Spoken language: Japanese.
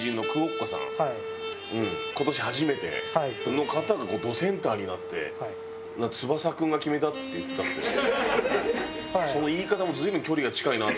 今年初めての方がどセンターになって「翼君が決めた」って言ってたんですけど。